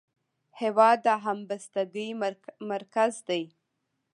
هېواد د همبستګۍ مرکز دی.